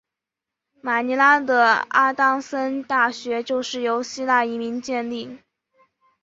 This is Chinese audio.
马尼拉的阿当森大学就是由希腊移民建立。